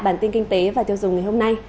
bản tin kinh tế và tiêu dùng ngày hôm nay